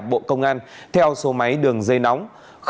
bộ công an theo số máy đường dây nóng